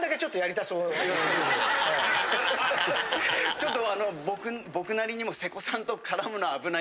ちょっと。